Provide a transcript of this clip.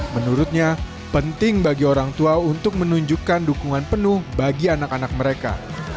menurutnya penting bagi orang tua untuk menunjukkan dukungan penuh bagi anak anak mereka